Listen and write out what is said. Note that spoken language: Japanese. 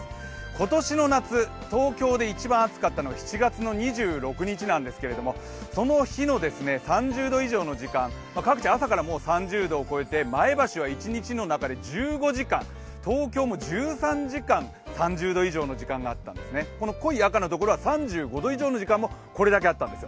今年の夏、東京で一番暑かったのが７月２６日なんですがその日の３０度以上の時間、朝から各地３０度を超えて前橋は一日の中で１５時間東京も１３時間、３０度以上の時間があったんです、この濃い赤の時間は３５度以上の時間もこれだけあったんです。